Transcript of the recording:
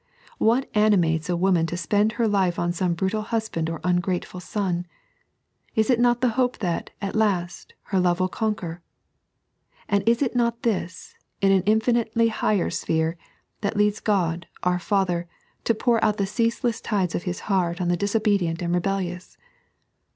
What animates a woman to spend her life on some brutal husband or ungrateful son 1 Is it not the hope that, at last, her love will oonquer ! And is it not this, in an infinitely higher sphere, that leads Qod, our Father, to pour out the ceaseless tides of His heart on the disobedient and rebellious